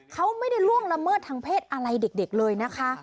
เขาไม่ได้ล่วงละเมิดทางเพศอะไรเด็กเลยนะคะ